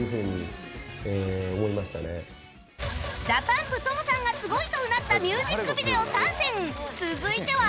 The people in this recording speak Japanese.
ＤＡＰＵＭＰＴＯＭＯ さんがすごいとうなったミュージックビデオ３選続いては